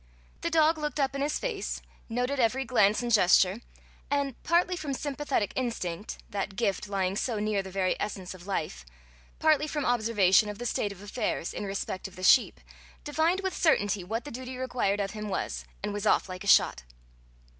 The dog looked up in his face, noted every glance and gesture, and, partly from sympathetic instinct, that gift lying so near the very essence of life, partly from observation of the state of affairs in respect of the sheep, divined with certainty what the duty required of him was, and was off like a shot.